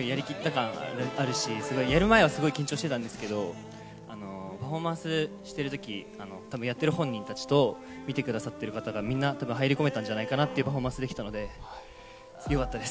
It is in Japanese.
やりきった感があるし、やる前はすごく緊張してたんですけど、パフォーマンスしている時、やっている本人たちと見てくださってる方が入り込めたんじゃないかなぁというパフォーマンスができたのでよかったです。